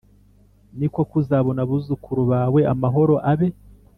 Ni koko uzabona abuzukuru bawe Amahoro abe